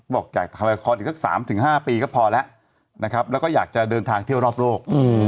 บอกอยากถ่ายละครอีกสัก๓๕ปีก็พอแล้วนะครับแล้วก็อยากจะเดินทางเที่ยวรอบโลก